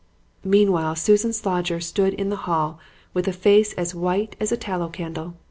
"Meanwhile, Susan Slodger stood in the hall with a face as white as a tallow candle.